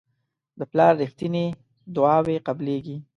د پلار رښتیني دعاوې قبلیږي.